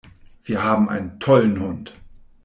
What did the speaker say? Wir haben einen tollen Hund!